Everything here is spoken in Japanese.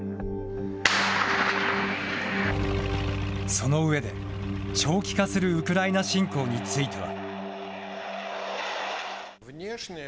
その上で、長期化するウクライナ侵攻については。